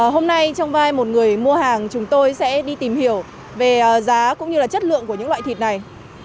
hôm nay trong vai một người mua hàng chúng tôi sẽ đi tìm hiểu về giá cũng như là chất lượng của những loại thịt này